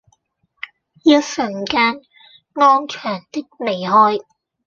一瞬間安詳的離開